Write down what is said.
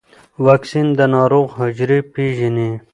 واکسین د ناروغ حجرې پېژني.